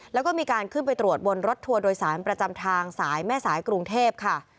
แล้วก็มีการขึ้นไปตรวจบนรถทัวร์โดยสารประจำทางสายแม่สายกรุงเทพค่ะ